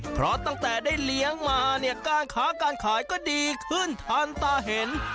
เพราะตั้งแต่ได้เลี้ยงมาเนี่ยการค้าการขายก็ดีขึ้นทันตาเห็น